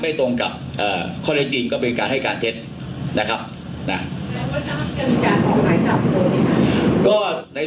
ไม่ตรงกับข้อเรียนจริงไม่ตรงกับกล้องมูลจอมผิด